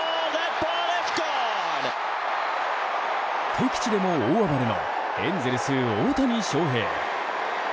敵地でも大暴れのエンゼルス、大谷翔平。